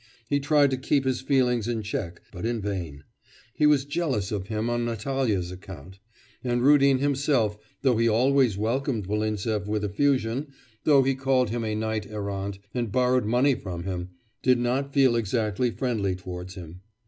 He tried to keep his feelings in check, but in vain; he was jealous of him on Natalya's account. And Rudin himself, though he always welcomed Volintsev with effusion, though he called him a knight errant, and borrowed money from him, did not feel exactly friendly towards him.